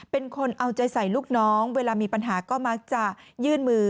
เป็นคนเอาใจใส่ลูกน้องเวลามีปัญหาก็มักจะยื่นมือ